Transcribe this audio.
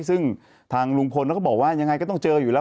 ซึ่งทางลุงพลเขาก็บอกว่ายังไงก็ต้องเจออยู่แล้ว